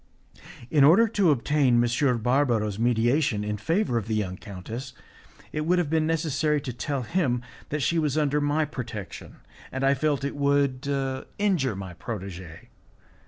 In order to obtain M. Barbaro's mediation in favour of the young countess, it would have been necessary to tell him that she was under my protection, and I felt it would injure my protegee.